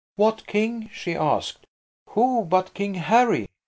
"What king?" she asked. "Who but King Harry?"